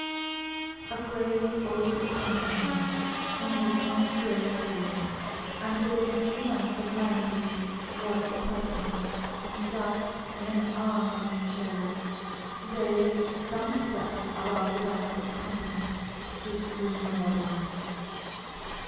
A grave old gentleman, "in his own grey hairs," and within a few months of ninety, was the president, and sat in an "armed" chair, raised some steps above the rest of the company, to keep the room in order.